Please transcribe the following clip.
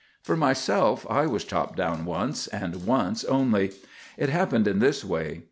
"For myself, I was chopped down once, and once only. It happened in this way.